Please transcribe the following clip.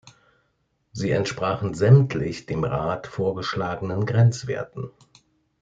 Sie entsprachen sämtlich den vom Rat vorgeschlagenen Grenzwerten.